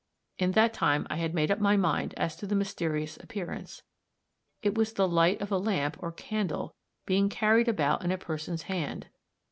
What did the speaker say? In that time I had made up my mind as to the mysterious appearance it was the light of a lamp or candle being carried about in a person's hand.